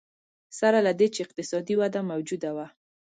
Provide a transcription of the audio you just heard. سره له دې چې اقتصادي وده موجوده وه.